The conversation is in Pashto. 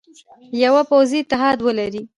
یوه پوځي اتحاد ولري.